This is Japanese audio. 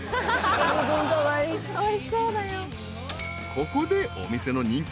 ［ここでお店の人気